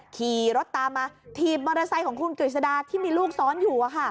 ขี่รถตามมาถีบมอเตอร์ไซค์ของคุณกฤษดาที่มีลูกซ้อนอยู่